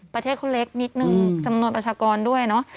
ประเทศเขาเล็กนิดนึงจำนวนประชากรด้วยเนอะ